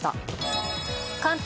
関東